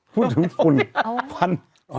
พูดถึงฝุ่น